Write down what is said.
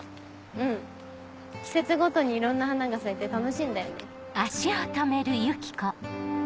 うん季節ごとにいろんな花が咲いて楽しいんだよね。